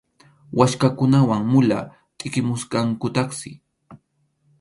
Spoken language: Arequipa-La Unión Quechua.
Waskhakunawan mula tʼiqimusqankutaqsi.